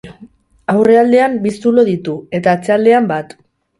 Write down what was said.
Aurrealdean bi zulo ditu, eta atzealdean bat.